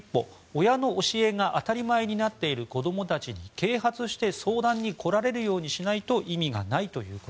親の教えが当たり前になっている子供たちに啓発して相談に来られるようにしないと意味がないと。